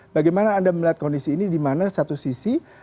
bagaimana anda melihat kondisi ini di mana satu sisi